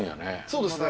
そうですね。